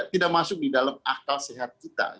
tidak masuk di dalam akal sehat kita